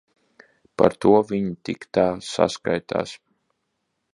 Par to viņa tik tā saskaitās.